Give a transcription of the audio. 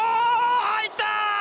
入った！